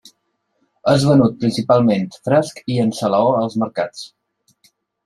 És venut principalment fresc i en salaó als mercats.